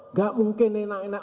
tidak mungkin enak enak